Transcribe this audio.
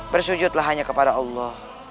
bersujudlah hanya kepada allah